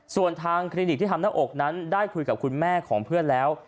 ส่วนทางคลินิกที่ทำหน้าอกนั้นได้คุยกับคุณแม่ของเพื่อนแล้ว